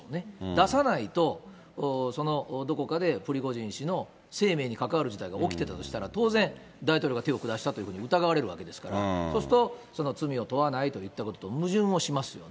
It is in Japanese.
出さないと、どこかでプリゴジン氏の生命にかかわる事態が起きてたとしたら、当然、大統領が手を下したというふうに疑われるわけですから、そうすると、罪を問わないといったことと矛盾をしますよね。